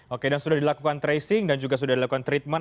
oke dan sudah dilakukan tracing dan juga sudah dilakukan treatment